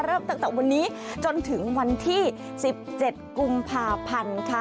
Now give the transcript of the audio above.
เริ่มตั้งแต่วันนี้จนถึงวันที่๑๗กุมภาพันธ์ค่ะ